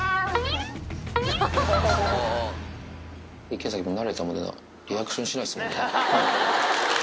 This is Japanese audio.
池崎も慣れたもんで、リアクションしないっすもんね。